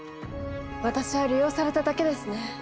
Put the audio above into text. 私は利用されただけですね。